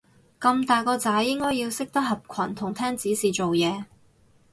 咁大個仔應該要識得合群同聽指示做嘢